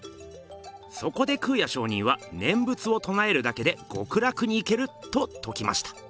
そこで空也上人は「念仏をとなえるだけで極楽に行ける！」とときました。